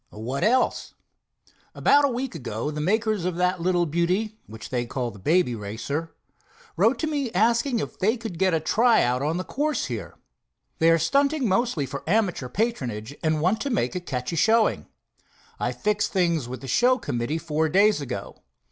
"What else? About a week ago the makers of that little beauty, which they call the Baby Racer, wrote to me asking if they could get a try out on the course here. They are stunting mostly for amateur patronage, and want to make a catchy showing. I fixed things with the show committee four days ago.